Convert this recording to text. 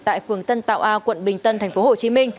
tại phường tân tạo a quận bình tân tp hcm